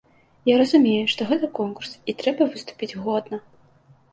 Я разумею, што гэта конкурс, і трэба выступіць годна.